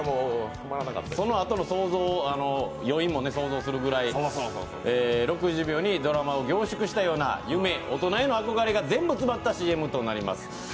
そのあとの余韻も想像するぐらい６０秒にドラマを凝縮したような夢、大人への憧れが全部詰まったＣＭとなります。